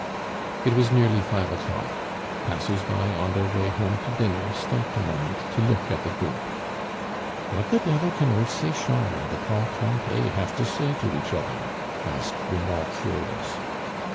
It was nearly five o'clock. Passers by on their way home to dinner stopped a moment to look at the group. "What the devil can old Sechard and the tall Cointet have to say to each other?" asked the more curious.